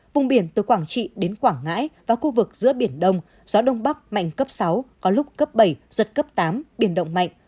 vùng biển từ quảng trị đến quảng ngãi và khu vực giữa biển đông gió đông bắc mạnh cấp sáu có lúc cấp bảy giật cấp tám biển động mạnh